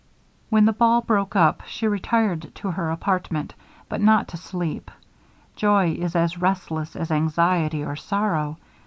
When the ball broke up, she retired to her apartment, but not to sleep. Joy is as restless as anxiety or sorrow.